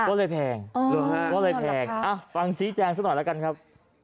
ก็เลยแพงก็เลยแพงฟังชี้แจงซะหน่อยแล้วกันครับ